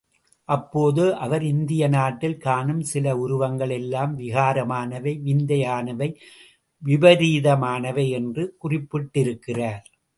அப்போது அவர் இந்திய நாட்டில் காணும் சில உருவங்கள் எல்லாம் விகாரமானவை, விந்தையானவை, விபரீதமானவை என்று குறிப்பிட்டிருக்கிறார்.